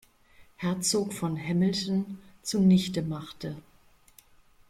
Herzog von Hamilton zunichtemachte.